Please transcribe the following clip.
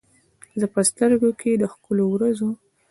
زه به په سترګو کې، د ښکلو ورځو،